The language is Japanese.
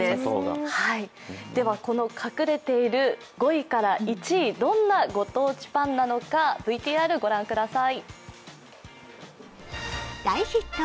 隠れている５位から１位、どんなご当地パンなのかＶＴＲを御覧ください。